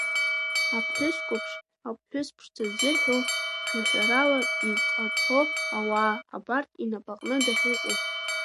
Аԥҳәыс қәыԥш, аԥҳәыс ԥшӡа ззырҳәо, шәаҳәарала изҟаҭәо ауаа, абар инапаҟны дахьыҟоу…